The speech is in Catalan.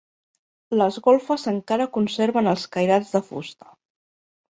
Les golfes encara conserven els cairats de fusta.